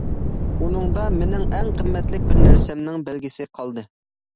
ئۇنىڭدا مېنىڭ ئەڭ قىممەتلىك بىر نەرسەمنىڭ بەلگىسى قالدى.